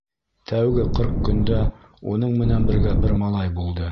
Тәүге ҡырҡ көндә уның менән бергә бер малай булды.